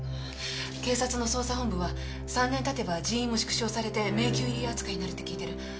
警察の捜査本部は３年経てば人員も縮小されて迷宮入り扱いになるって聞いてる。